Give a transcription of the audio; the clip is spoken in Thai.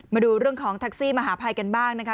มาดูเรื่องของแท็กซี่มหาภัยกันบ้างนะคะ